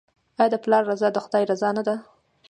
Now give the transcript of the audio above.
آیا د پلار رضا د خدای رضا نه ده؟